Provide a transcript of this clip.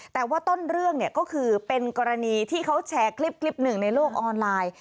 แต่ว่าต้นเรื่องเนี่ยก็คือเป็นกรณีที่เขาแชร์คลิปหนึ่งในโลกออนไลน์